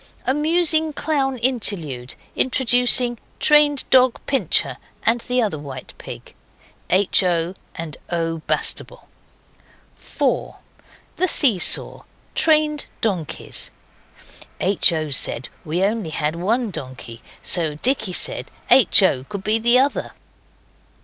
Amusing clown interlude, introducing trained dog, Pincher, and the other white pig. H. O. and O. Bastable. 4. The See Saw. Trained donkeys. (H. O. said we had only one donkey, so Dicky said H. O. could be the other.